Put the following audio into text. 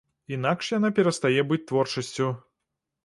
Інакш яна перастае быць творчасцю.